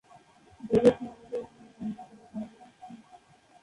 দেহের সামনে দিয়ে খুনি অন্ধকারে পালিয়ে যাচ্ছে।